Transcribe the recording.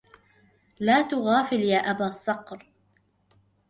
لا تغافل يا أبا الصقر